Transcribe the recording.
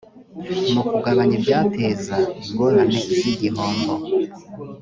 mu kugabanya ibyateza ingorane z igihombo